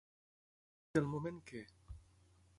Del moment que.